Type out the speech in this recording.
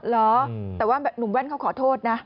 เหรอแต่ว่าหนุ่มแว่นเขาขอโทษนะ